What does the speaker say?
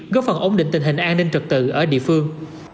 góp phần ổn định tình hình an ninh trật tự ở địa phương